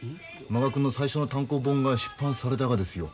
満賀くんの最初の単行本が出版されたがですよ。